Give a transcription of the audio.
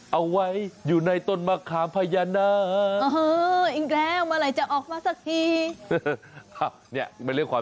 เอาไว้อยู่ในต้นมะขามพญานาค